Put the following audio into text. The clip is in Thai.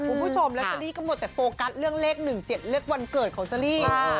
คุณผู้ชมลอตเตอรี่ก็หมดแต่โฟกัสเรื่องเลข๑๗เลขวันเกิดของเชอรี่